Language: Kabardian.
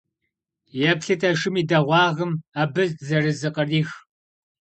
Еплъыт а шым и дэгъуагъым! Абы зэрызыкърих!